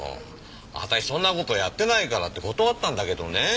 あたしそんな事やってないからって断ったんだけどね。